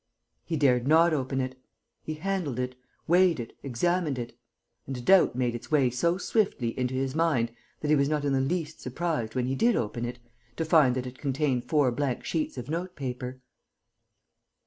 He dared not open it. He handled it, weighed it, examined it.... And doubt made its way so swiftly into his mind that he was not in the least surprised, when he did open it, to find that it contained four blank sheets of note paper.